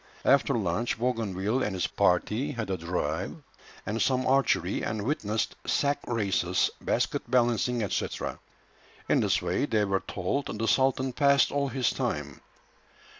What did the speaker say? After lunch Bougainville and his party had a drive and some archery, and witnessed sack races, basket balancing, &c. In this way, they were told, the sultan passed all his time.